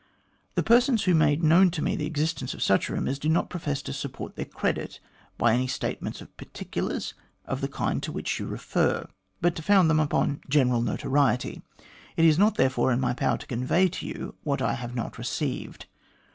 The persons who made known to me the existence of such rumours did not profess to support their credit by any statements of particulars of the kind to which you refer, but to found them upon general notoriety. It is not, therefore, in my power to convey to you what I have not received.